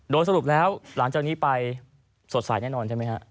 โดยสรุปแล้วหลังจากนี้ไปสดใสแน่นอนใช่ไหมฮะ